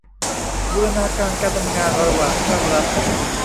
บูรณาการการทำงานระหว่างภาครัฐ